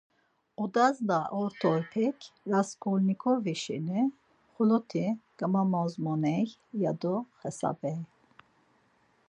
Odas na ort̆eypek Rasǩolnikovi şeni, xoloti gammazmonen, yado xesabey.